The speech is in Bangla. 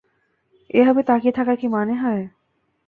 এভাবে তাকিয়ে থাকার কি মানে হয়?